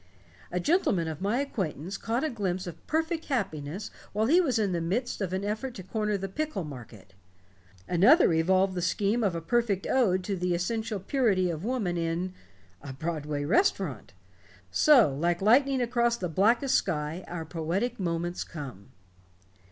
A gentleman of my acquaintance caught a glimpse of perfect happiness while he was in the midst of an effort to corner the pickle market. Another evolved the scheme of a perfect ode to the essential purity of woman in a Broadway restaurant. So, like lightning across the blackest sky, our poetic moments come."